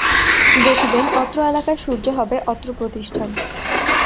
দেখবেন অত্র এলাকার সূর্য হবে অত্র প্রতিষ্ঠান।